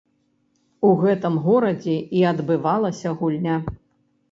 У гэтым горадзе і адбывалася гульня.